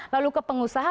lalu ke pengusaha